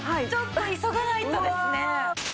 ちょっと急がないとですね。